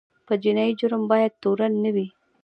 په جنایي جرم باید تورن نه وي.